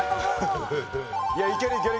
いやいけるいける。